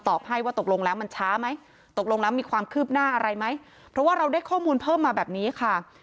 ตกลงแล้วมีความคืบหน้าอะไรไหมเพราะว่าเราได้ข้อมูลเพิ่มมาแบบนี้ค่ะ